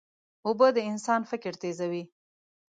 اوبه د انسان فکر تیزوي.